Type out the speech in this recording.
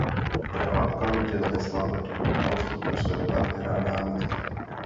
Praha okamžitě vznesla proti postupu svého partnera námitky.